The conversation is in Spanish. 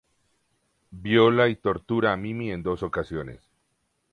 Viola y tortura a Mimi en dos ocasiones.